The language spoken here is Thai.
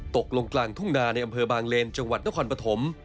ตกลงกลางทุ่งนาในอำเภอบางเลนจังหวัดนครปฐม